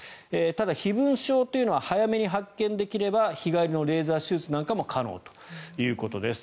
ただ、飛蚊症というのは早めに発見できれば日帰りのレーザー手術なんかも可能ということです。